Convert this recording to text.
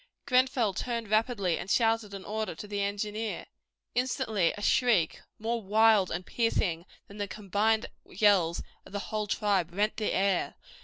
Grenfell turned rapidly and shouted an order to the engineer. Instantly a shriek, more wild and piercing than the combined yells of the whole tribe, rent the air.